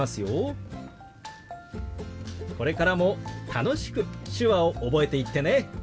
これからも楽しく手話を覚えていってね。